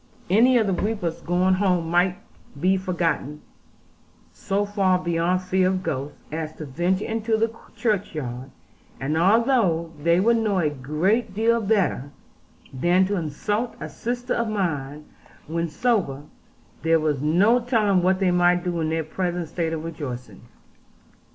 Any of the reapers going home might be gotten so far beyond fear of ghosts as to venture into the churchyard; and although they would know a great deal better than to insult a sister of mine when sober, there was no telling what they might do in their present state of rejoicing.